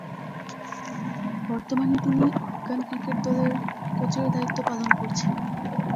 বর্তমানে তিনি Afghan cricket দলে কোচের দায়িত্ব পালন করছেন।